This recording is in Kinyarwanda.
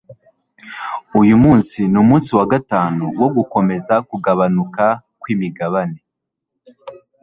Uyu munsi numunsi wa gatanu wo gukomeza kugabanuka kwimigabane.